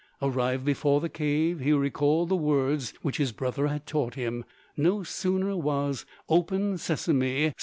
Arrived before the cave, he recalled the words which his brother had taught him; no sooner was "Open, Sesamé!"